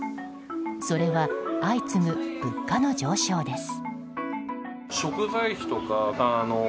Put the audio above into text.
それは相次ぐ物価の上昇です。